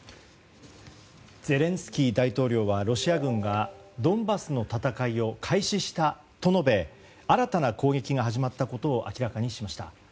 ゼレンスキー大統領はロシア軍がドンバスの戦いを開始したと述べ新たな攻撃が始まったことを明らかにしました。